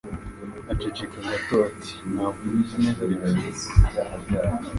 Aceceka gato ati: "Ntabwo ubizi neza, Alex".